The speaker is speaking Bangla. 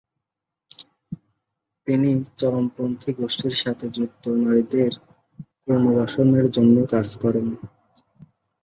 তিনি চরমপন্থী গোষ্ঠীর সাথে যুক্ত নারীদের পুনর্বাসনের জন্য কাজ করেন।